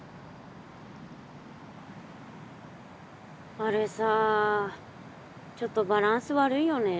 あれさちょっとバランス悪いよね。